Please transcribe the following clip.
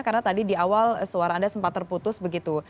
karena tadi di awal suara anda sempat terputus begitu